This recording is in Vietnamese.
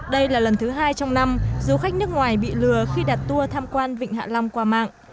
đây là lần thứ hai trong năm du khách nước ngoài bị lừa khi đặt tour tham quan vịnh hạ long qua mạng